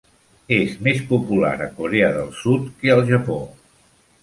És més popular a Corea del Sud que al Japó.